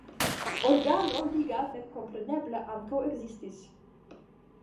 Organo liga memkompreneble ankaŭ ekzistis.